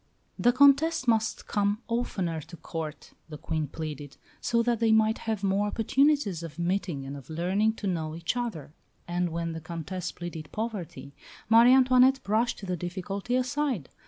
The Comtesse must come oftener to Court, the Queen pleaded, so that they might have more opportunities of meeting and of learning to know each other; and when the Comtesse pleaded poverty, Marie Antoinette brushed the difficulty aside.